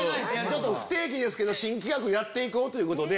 不定期ですけど新企画やって行こうということで。